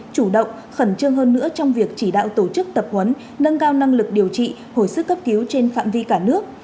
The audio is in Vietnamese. chủ động khẩn trương hơn nữa trong việc chỉ đạo tổ chức tập huấn nâng cao năng lực điều trị hồi sức cấp cứu trên phạm vi cả nước